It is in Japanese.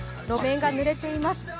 路面が濡れています。